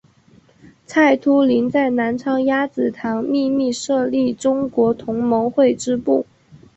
蔡突灵在南昌鸭子塘秘密设立中国同盟会支部。